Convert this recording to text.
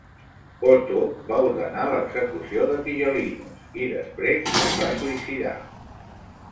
Otho va ordenar l'execució de Tigellinus, i després es va suïcidar.